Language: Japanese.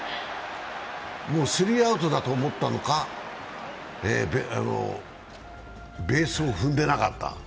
もうスリーアウトだと思ったのかベースを踏んでなかった。